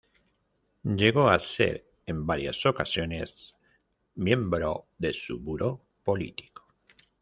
Llegó a ser, en varias ocasiones, miembro de su Buró Político.